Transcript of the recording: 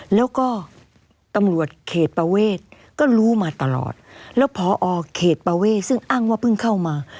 แล้วก็ตำรวจเขตประเวทก็รู้มาตลอดแล้วพอเขตประเวทซึ่งอ้างว่าเพิ่งเข้ามา